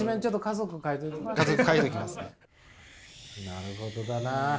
なるほどだな。